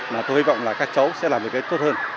mà tôi hy vọng là các cháu sẽ làm được cái tốt hơn